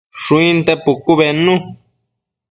Shuinte pucu bednu